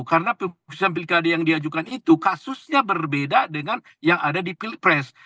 karena putusan pilkada yang diajukan itu kasusnya berbeda dengan yang ada di pilpres